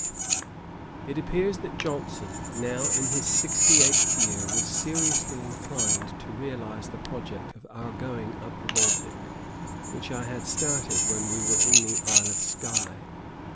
It appears that Johnson, now in his sixty eighth year, was seriously inclined to realise the project of our going up the Baltick, which I had started when we were in the Isle of Sky [Boswell's Hebrides, Sept.